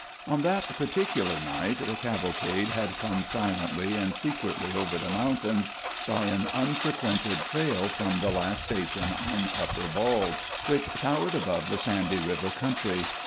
On that particular night the cavalcade had come silently and secretly over the mountains by an unfrequented trail from the last station on Upper Bald, which towered above the Sandy River country.